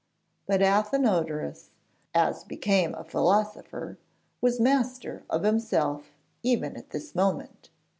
But Athenodorus, as became a philosopher, was master of himself, even at this moment.